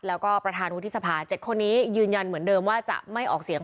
แล้วก็ประธานวุฒิสภา๗คนนี้ยืนยันเหมือนเดิมว่าจะไม่ออกเสียง